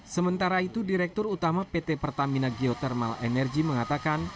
sementara itu direktur utama pt pertamina geotermal energi mengatakan